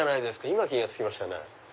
今気が付きましたね。